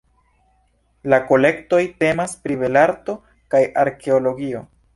La kolektoj temas pri belarto kaj arkeologio.